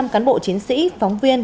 năm trăm linh cán bộ chiến sĩ phóng viên